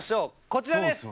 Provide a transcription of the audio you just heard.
こちらです！